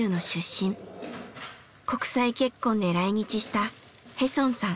国際結婚で来日したヘソンさん。